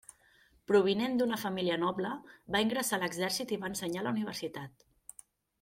Provinent d'una família noble, va ingressar a l'exèrcit i va ensenyar a la universitat.